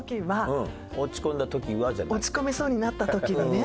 落ち込みそうになった時にね。